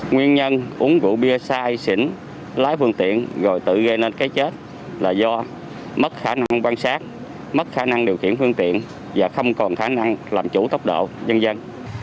nguyên nhân uống rượu bia sai sỉnh lái phương tiện rồi tự gây nên cái chết là do mất khả năng quan sát mất khả năng điều khiển phương tiện và không còn khả năng làm chủ tốc độ dần dân dân